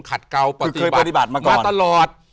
ขัดเกาพฤติบัตรมาตลอด